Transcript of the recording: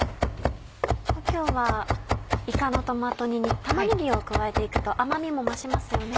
今日はいかのトマト煮に玉ねぎを加えて行くと甘みも増しますよね。